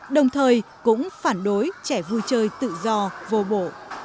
đồng thời cũng phản đối trẻ vui chơi tự do vô bộ